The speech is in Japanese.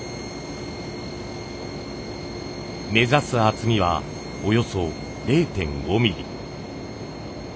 目指す厚みはおよそ０．５ミリ。